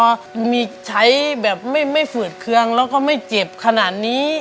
แต่ไม่มีใช้แบบไม่ฝืดเคืองแล้วไม่เจ็บขนานี้